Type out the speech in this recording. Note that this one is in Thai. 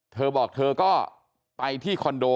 เธอบอกเธอก็ไปที่คอนโด